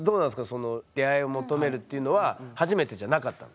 その出会いを求めるっていうのは初めてじゃなかったの？